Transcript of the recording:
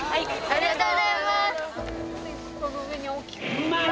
ありがとうございます！